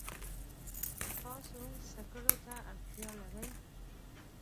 تاسو سکرو ته اړتیا لرئ.